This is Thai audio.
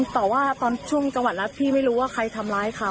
แต่ว่าตอนช่วงจังหวัดแล้วพี่ไม่รู้ว่าใครทำร้ายเขา